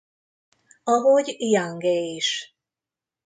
Ahogy Youngé is.